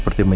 ya ini dia